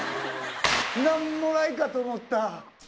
なんもないかと思った！